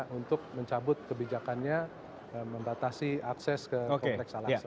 dan juga mencabut kebijakannya membatasi akses ke kompleks al aqsa